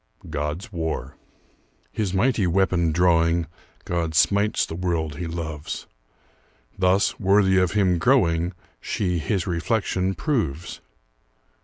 GOD'S WAR His mighty weapon drawing, God smites the world he loves; Thus, worthy of him growing, She his reflection proves.